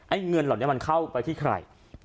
เงินเหล่านี้มันเข้าไปที่ใคร